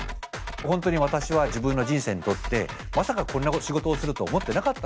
本当に私は自分の人生にとってまさかこんな仕事をすると思ってなかったんですね。